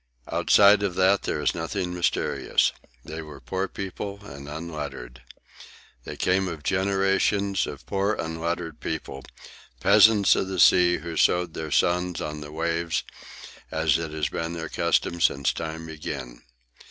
Outside of that there is nothing mysterious. They were poor people and unlettered. They came of generations of poor unlettered people—peasants of the sea who sowed their sons on the waves as has been their custom since time began.